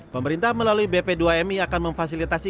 pemerintah melalui bp dua mi akan memfasilitasi